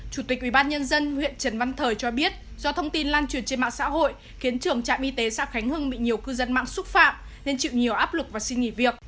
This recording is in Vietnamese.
chủ tịch ubnd huyện trần văn thời cho biết do thông tin lan truyền trên mạng xã hội khiến trưởng trạm y tế xã khánh hưng bị nhiều cư dân mạng xúc phạm nên chịu nhiều áp lực và xin nghỉ việc